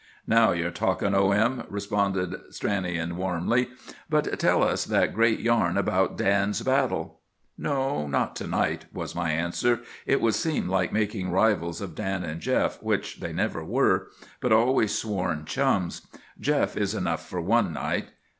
"Now you are talking, O. M.," responded Stranion warmly. "But tell us that great yarn about Dan's battle!" "No, not to night," was my answer. "It would seem like making rivals of Dan and Jeff, which they never were, but always sworn chums. Jeff is enough for one night.